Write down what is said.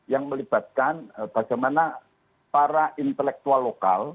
yang melibatkan bagaimana para intelektual lokal